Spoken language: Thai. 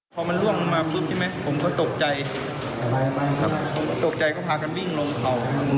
พอมันร่วงมาปุ๊บใช่ไหมผมก็ตกใจตกใจก็พากันวิ่งลงเขา